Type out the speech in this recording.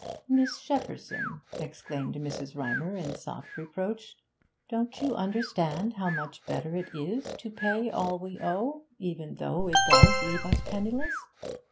'Miss Shepperson,' exclaimed Mrs. Rymer in soft reproach, 'don't you understand how much better it is to pay all we owe, even though it does leave us penniless?